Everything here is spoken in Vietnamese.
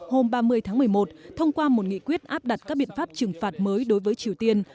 hôm ba mươi tháng một mươi một thông qua một nghị quyết áp đặt các biện pháp trừng phạt mới đối với triều tiên